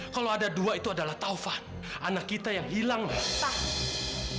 kalau ada dua itu adalah taufat anak kita yang hilang